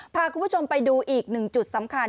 พาคุณผู้ชมไปดูอีกหนึ่งจุดสำคัญ